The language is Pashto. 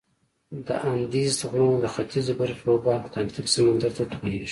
د اندیزد غرونو د ختیځي برخې اوبه اتلانتیک سمندر ته تویږي.